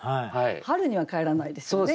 春には帰らないですよね。